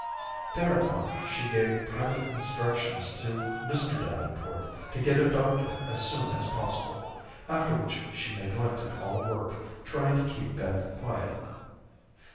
Thereupon she gave private instructions to Mr. Davenport to get a doctor as soon as possible, after which she neglected all work, trying to keep Beth quiet.